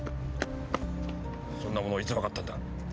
そんなものいつわかったんだ！？